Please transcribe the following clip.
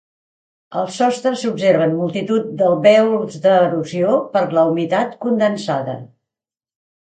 Al sostre s'observen multitud d'alvèols d'erosió per la humitat condensada.